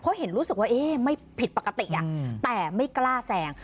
เขาเห็นรู้สึกว่าเอ๊ะไม่ผิดปกติแต่ไม่กล้าแซง